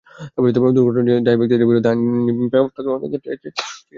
দুর্ঘটনার জন্য দায়ী ব্যক্তিদের বিরুদ্ধে আইনি ব্যবস্থা গ্রহণের ক্ষেত্রে দীর্ঘসূত্রতা তৈরি হয়েছে।